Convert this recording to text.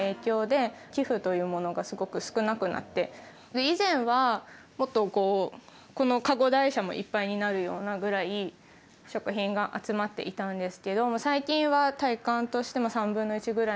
以前はもっとこうこのかご台車もいっぱいになるようなぐらい食品が集まっていたんですけど最近は体感としても３分の１？はい。